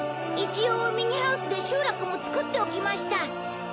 一応ミニハウスで集落も作っておきました。